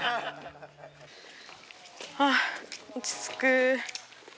ああ落ち着く。